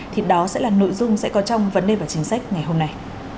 thì đó sẽ là nội dung sẽ có trong vấn đề và chính sách ngày hôm nay